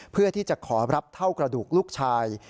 เพื่อที่จะขอรับเท่ากระดูกลูกชาย